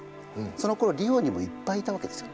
そのころリオにもいっぱいいたわけですよ。